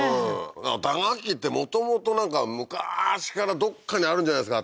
打楽器ってもともとなんか昔からどっかにあるんじゃないですか？